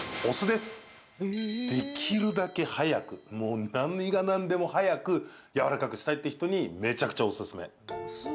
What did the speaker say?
できるだけ早く何が何でも早くやわらかくしたい人って人にめちゃくちゃ、おすすめ。